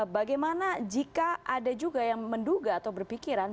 bagaimana jika ada juga yang menduga atau berpikiran